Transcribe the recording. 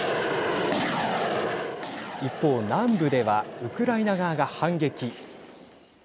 一方南部ではウクライナ側が反撃。